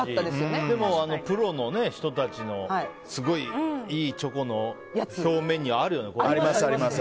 でも、プロの人たちのすごいいいチョコの表面にはあるよね。